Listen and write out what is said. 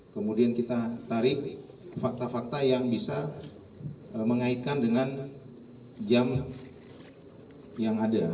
kemudian kita tarik fakta fakta yang bisa mengaitkan dengan jam yang ada